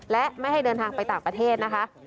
และไม่ให้เดินทางไปต่างประเทศนะคะ